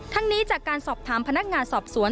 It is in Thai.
นี้จากการสอบถามพนักงานสอบสวน